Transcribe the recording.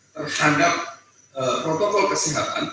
terhadap protokol kesihatan